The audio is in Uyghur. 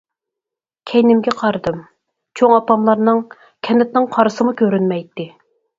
كەينىمگە قارىدىم، چوڭ ئاپاملارنىڭ كەنتىنىڭ قارىسىمۇ كۆرۈنمەيتتى.